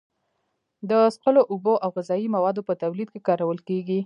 د څښلو اوبو او غذایي موادو په تولید کې کارول کیږي.